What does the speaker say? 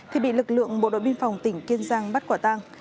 thì bị lực lượng bộ đội biên phòng tỉnh kiên giang bắt quả tang